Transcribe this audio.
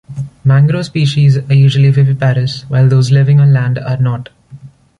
Mangrove species are usually viviparous while those living on land are not.